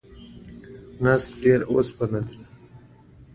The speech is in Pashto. نسک ډیر اوسپنه لري.